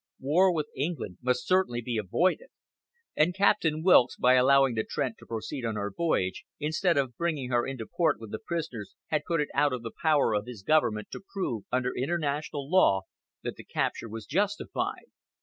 War with England must certainly be avoided; and Captain Wilkes, by allowing the Trent to proceed on her voyage, instead of bringing her into port with the prisoners, had put it out of the power of his Government to prove, under international law, that the capture was justified.